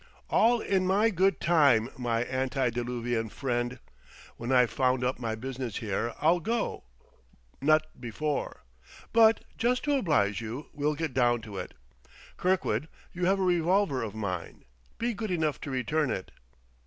"All in my good time, my antediluvian friend. When I've wound up my business here I'll go not before. But, just to oblige you, we'll get down to it.... Kirkwood, you have a revolver of mine. Be good enough to return it."